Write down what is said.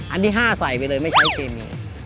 หน้าใส่ไปเลยไม่ใช้เคมี